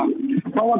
bahwa ketika memang